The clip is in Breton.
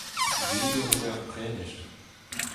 Digor e vez ar prenestr.